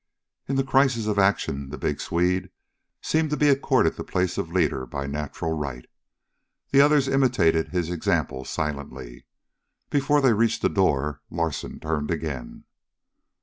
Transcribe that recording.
In the crisis of action the big Swede seemed to be accorded the place of leader by natural right. The others imitated his example silently. Before they reached the door Larsen turned again.